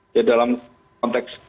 ya dalam konteks